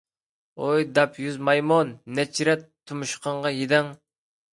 ھوي داپ يۈز مايمۇن! نەچچە رەت تۇمشۇقۇڭغا يېدىڭ.